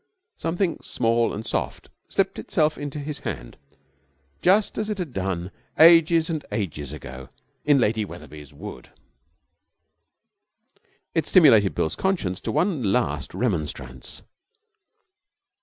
Something small and soft slipped itself into his hand, just as it had done ages and ages ago in Lady Wetherby's wood. It stimulated Bill's conscience to one last remonstrance.